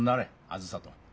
あづさと。